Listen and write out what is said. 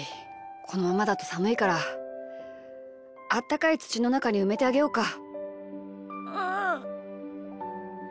このままだとさむいからあったかいつちのなかにうめてあげようか。